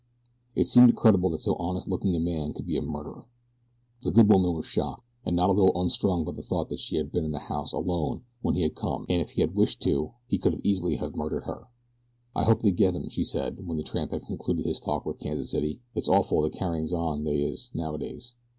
It seemed incredible that so honest looking a man could be a murderer. The good woman was shocked, and not a little unstrung by the thought that she had been in the house alone when he had come and that if he had wished to he could easily have murdered her. "I hope they get him," she said, when the tramp had concluded his talk with Kansas City. "It's awful the carryings on they is nowadays.